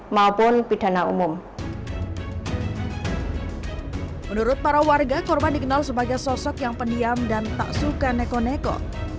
maupun pidana umum menurut para warga korban dikenal sebagai sosok yang pendiam dan tak suka neko neko